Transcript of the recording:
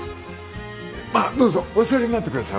まあどうぞお座りになってください。